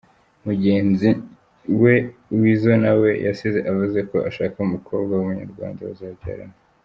Mugenzi we Weasel na we yasize avuze ko ashaka umukobwa w’Umunyarwanda bazabyarana.